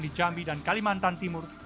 di jambi dan kalimantan timur